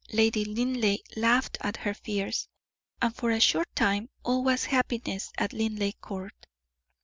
Lady Linleigh laughed at her fears, and for a short time all was happiness at Linleigh Court.